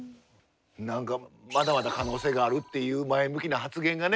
何かまだまだ可能性があるっていう前向きな発言がね